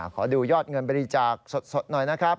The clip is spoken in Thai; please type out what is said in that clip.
ขอดูยอดเงินบริจาคสดหน่อยนะครับ